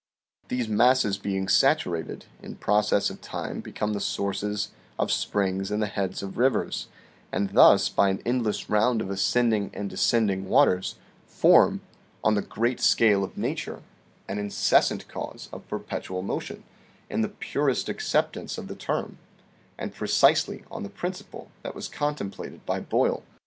These masses being saturated, in process of time become the sources of springs and the heads of rivers; and thus by an endless round of ascending and descending waters, form, on the great scale of nature, an incessant cause of perpetual motion, in the purest acceptance of the term, and precisely on the principle that was contemplated by Boyle.